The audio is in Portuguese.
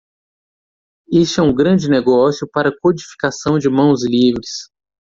Este é um grande negócio para codificação de mãos livres.